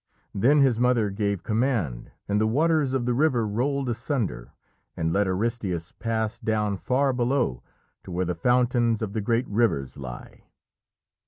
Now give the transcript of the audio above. Then his mother gave command, and the waters of the river rolled asunder and let Aristæus pass down far below to where the fountains of the great rivers lie.